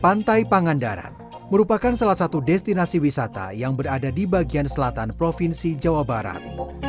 pantai pangandaran merupakan salah satu destinasi wisata yang berada di bagian selatan provinsi jawa barat